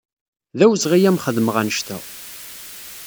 D awezɣi ad am-xedmeɣ anect-a.